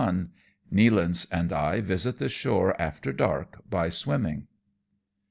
NEALANCE AND I VISIT THE SHORE AETEE DARK BY SWIMMING.